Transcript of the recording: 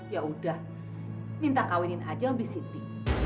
ya udah minta kawinin aja sama bisiti